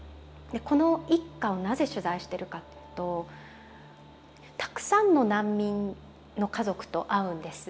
この一家をなぜ取材してるかというとたくさんの難民の家族と会うんです。